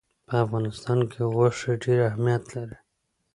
په افغانستان کې غوښې ډېر اهمیت لري.